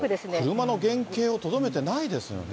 車の原形をとどめてないですよね。